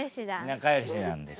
仲よしなんですよ。